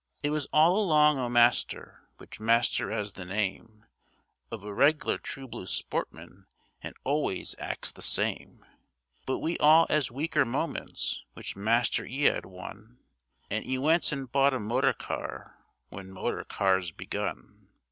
It was all along o' master; which master 'as the name Of a reg'lar true blue sportman, an' always acts the same; But we all 'as weaker moments, which master 'e 'ad one, An' 'e went and bought a motor car when motor cars begun.